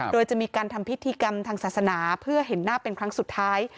โดยจะมีการทำพิธีกรรมทางศาสนาเพื่อเห็นหน้าเป็นครั้งสุดท้าย